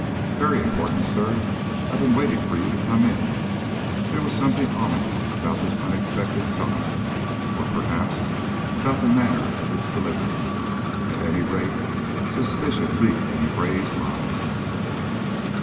"Very important, sir. I've been waiting for you to come in." There was something ominous about this unexpected summons, or perhaps about the manner of its delivery. At any rate, suspicion leaped into Gray's mind.